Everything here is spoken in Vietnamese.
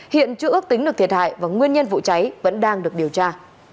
hiện chưa ước tính được thiệt hại và nguyên nhân vụ cháy vẫn đang được điều tra